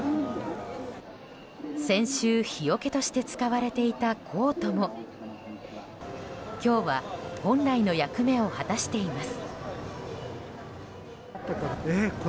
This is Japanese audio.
先週、日よけとして使われていたコートも今日は本来の役目を果たしています。